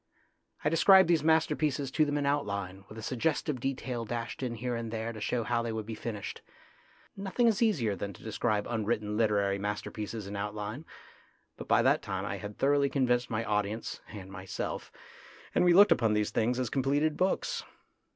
I described these masterpieces to them in outline, with a suggestive detail dashed in here and there to show how they would be finished. Nothing is easier than to describe unwritten literary masterpieces in outline ; but by that time I had thoroughly convinced my audience and myself, and we looked upon these things as completed books.